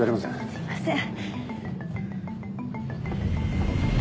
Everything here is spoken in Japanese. すいません。